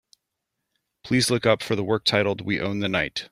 Please look up for the work titled We Own The Night.